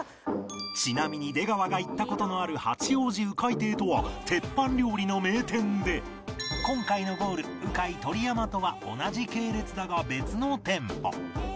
ちなみに出川が行った事のある八王子うかい亭とは鉄板料理の名店で今回のゴールうかい鳥山とは同じ系列だが別の店舗